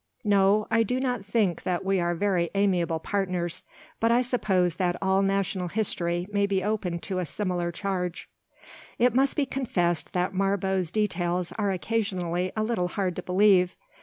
No; I do not think that we are very amiable partners, but I suppose that all national history may be open to a similar charge. It must be confessed that Marbot's details are occasionally a little hard to believe.